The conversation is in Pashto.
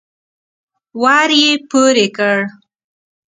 ور يې پورې کړ.